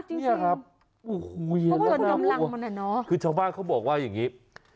จริงโอ้โหเย็นแล้วโอ้โหคือชาวบ้านเขาบอกว่าอย่างนี้